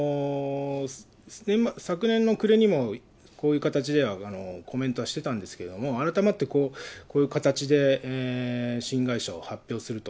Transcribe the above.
昨年の暮れにもこういう形ではコメントはしてたんですけれども、改まってこういう形で新会社を発表すると。